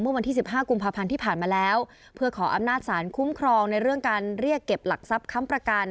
เมื่อวันที่สิบห้ากุมภาพันธ์ที่ผ่านมาแล้วเพื่อขออำนาจสารคุ้มครองในเรื่องการเรียกเก็บหลักทรัพย์ค้ำประกัน